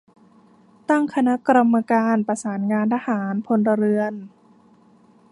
ตั้งคณะกรรมการประสานงานทหาร-พลเรือน